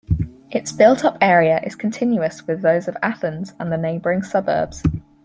Its built-up area is continuous with those of Athens and the neighbouring suburbs.